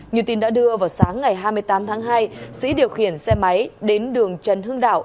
như tin đã đưa vào sáng ngày hai mươi tám tháng hai sĩ điều khiển xe máy đến đường trần hưng đạo